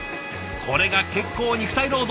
これが結構肉体労働。